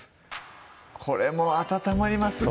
これも温まりますね